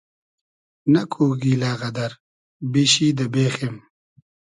نئکو گیلۂ غئدئر بیشی دۂ بېخیم